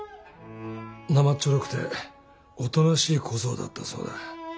なまっちょろくておとなしい小僧だったそうだ。